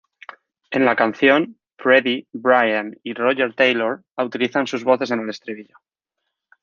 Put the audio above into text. En la canción, Freddie, Brian, y Roger Taylor utilizan sus voces en el estribillo.